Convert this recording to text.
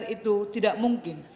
itu tidak mungkin